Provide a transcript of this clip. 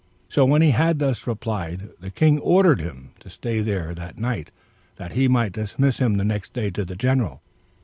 So when he had thus replied, the king ordered him to stay there that night, that he might dismiss him the next day to the general.